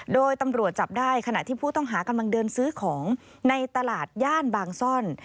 โดยตำรวจจับได้ขณะที่ผู้ต้องหากำลังเดินซื้อของในตลาดย่านบางซ่อน